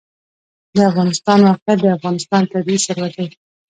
د افغانستان موقعیت د افغانستان طبعي ثروت دی.